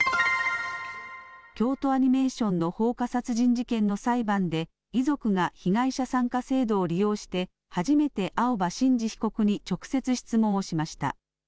京都アニメーションの放火殺人事件の裁判で、遺族が被害者参加制度を利用して初めて青葉真司被告に直接質問をしました。